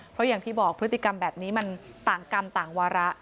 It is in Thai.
เพราะอย่างที่บอกพฤติกรรมแบบนี้มันต่างกรรมต่างวาระ